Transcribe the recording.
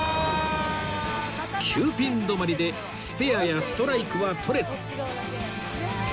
９ピン止まりでスペアやストライクは取れず